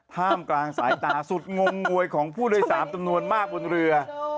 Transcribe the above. ท่ามกลางสายตาสุดงมงวยของผู้โดยสารจำนวนมากบนเรือ